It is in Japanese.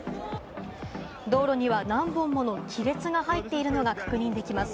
道路には何本もの亀裂が入っているのが確認できます。